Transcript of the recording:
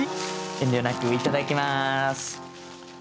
遠慮なくいただきます！